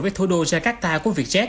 với thủ đô jakarta của vietjet